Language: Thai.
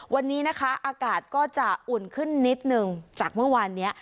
วันนี้นะคะอากาศก็จะอุ่นขึ้นนิดนึงจากเมื่อวานเนี้ย